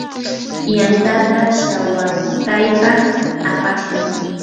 yantata shawataypa apashun.